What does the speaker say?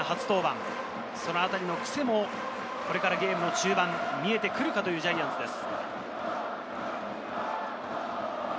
ジャイアンツ戦初登板、そのあたりのクセもこれからゲームの中盤、見えてくるかというジャイアンツです。